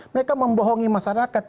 mereka membohongi masyarakat